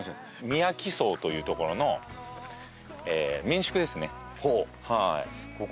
みやき荘というところの民宿ですね